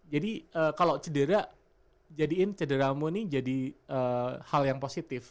jadi kalau cedera jadiin cedera mu ini jadi hal yang positif